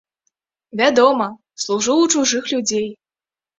Вядома, служу ў чужых людзей.